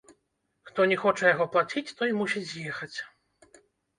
Хто не хоча яго плаціць, той мусіць з'ехаць.